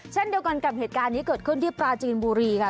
เช่นเดียวกันกับเหตุการณ์นี้เกิดขึ้นที่ปราจีนบุรีค่ะ